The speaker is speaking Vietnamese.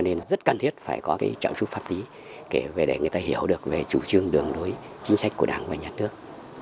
nên rất cần thiết phải có trợ giúp pháp lý để người ta hiểu được về chủ trương đường đối chính sách của đảng và nhà nước